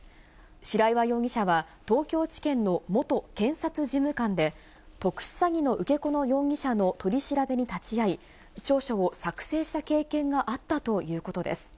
白岩容疑者は東京地検の元検察事務官で、特殊詐欺の受け子の容疑者の取り調べに立ち会い、調書を作成した経験があったということです。